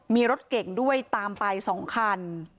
มีรถเก่งด้วยตามไป๒คัน